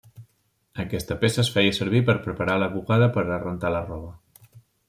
Aquesta peça es feia servir per preparar la bugada per a rentar la roba.